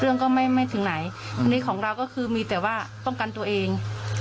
ก็ไม่ถึงไหนอันนี้ของเราก็คือมีแต่ว่าป้องกันตัวเอง